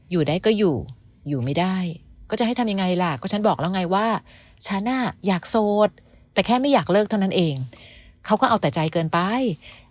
อยู่ได้ก็อยู่อยู่ไม่ได้ก็จะให้ทำยังไงล่ะก็ฉันบอกแล้วไงว่าฉันอ่ะอยากโสดแต่แค่ไม่อยากเลิกเท่านั้นเองเขาก็เอาแต่ใจเกินไป